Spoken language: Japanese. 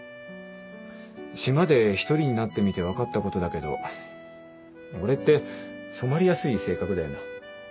島で一人になってみて分かったことだけど俺って染まりやすい性格だよな。